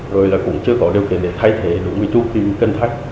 rồi là cũng chưa có điều kiện để thay thế đúng như chút khi cần thách